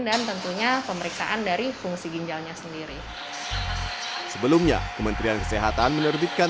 tentunya pemeriksaan dari fungsi ginjalnya sendiri sebelumnya kementerian kesehatan menerbitkan